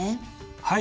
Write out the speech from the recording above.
はい。